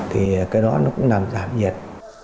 thì cái đó cũng làm giảm nhiệt